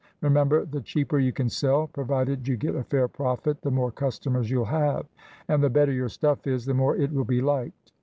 Remember, the cheaper you can sell (provided you get a fair profit), the more customers you'll have. And the better your stuff is, the more it will be liked.